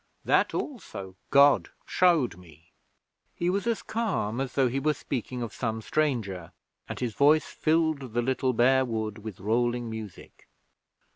That also God showed me.' He was as calm as though he were speaking of some stranger, and his voice filled the little bare wood with rolling music.